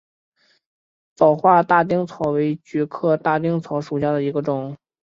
早花大丁草为菊科大丁草属下的一个种。